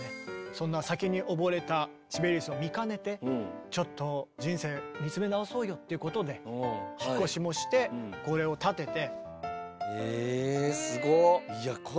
そんな酒に溺れたシベリウスを見かねてちょっと人生見つめ直そうよっていうことで引っ越しもしてこれを建てて。